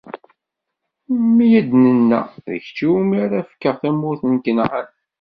Mi ad-inna: D kečč iwumi ara fkeɣ tamurt n Kanɛan.